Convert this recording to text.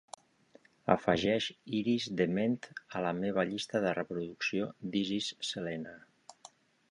Afegeix Iris DeMent a la meva llista de reproducció This is selena